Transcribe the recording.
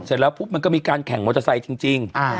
เสร็จแล้วปุ๊บมันก็มีการแข่งมอเตอร์ไซค์จริง